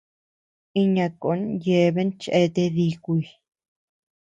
Iña koo yeabean cheate díkuy.